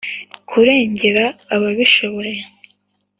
kurengera abatishoboye